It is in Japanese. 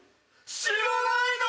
知らないの！？